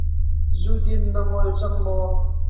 Zudin na ngol cang maw?